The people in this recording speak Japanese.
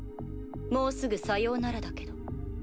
もうすぐさようならだけど。